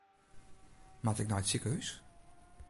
Moat ik nei it sikehús?